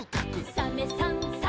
「サメさんサバさん」